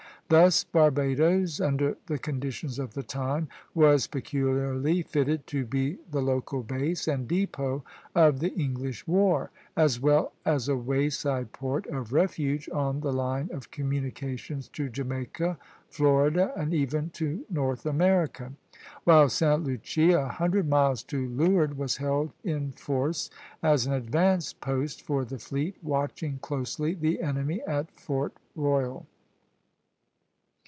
Thus Barbadoes, under the conditions of the time, was peculiarly fitted to be the local base and depot of the English war, as well as a wayside port of refuge on the line of communications to Jamaica, Florida, and even to North America; while Sta. Lucia, a hundred miles to leeward, was held in force as an advanced post for the fleet, watching closely the enemy at Fort Royal.